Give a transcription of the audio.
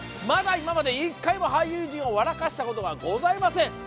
まだ今まで１回も俳優陣を笑わせたことがございません。